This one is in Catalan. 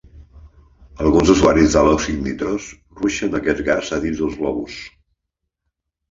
Alguns usuaris de l'òxid nitrós ruixen aquest gas a dins dels globus.